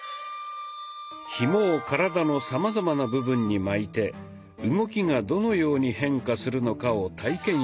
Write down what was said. ひもを体のさまざまな部分に巻いて動きがどのように変化するのかを体験していきます。